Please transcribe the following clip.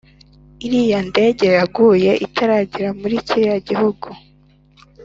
iriya ndege yaguye itarajyera muri kiriya gihugu